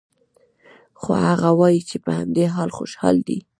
خو هغه وايي چې په همدې حال خوشحال دی